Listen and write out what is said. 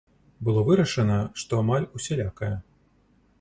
Было вырашана, што амаль усялякая.